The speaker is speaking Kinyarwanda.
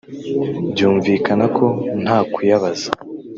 byumvikana ko nta kuyabaza